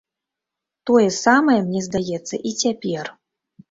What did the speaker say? Тое самае мне здаецца і цяпер.